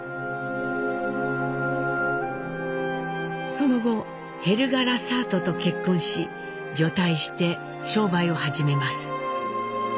その後ヘルガ・ラサートと結婚し除隊して商売を始めます。